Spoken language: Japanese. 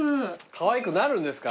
かわいくなるんですか？